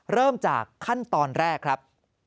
เริ่มจากขั้นตอนแรกครับ